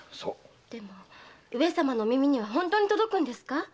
でも上様のお耳には本当に届くんですか？